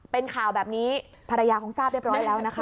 เป็นข่าวแบบนี้ภรรยาคงทราบเรียบร้อยแล้วนะคะ